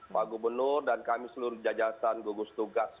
pak gubernur dan kami seluruh jajaran gugus tugas